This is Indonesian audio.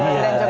oh iya itu dia